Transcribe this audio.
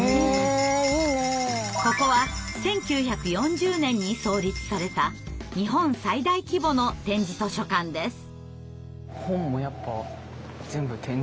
ここは１９４０年に創立された日本最大規模の点字図書館です。